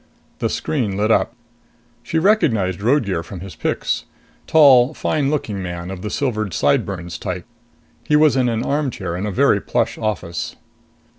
The screen lit up. She recognized Roadgear from his pics. Tall, fine looking man of the silvered sideburns type. He was in an armchair in a very plush office.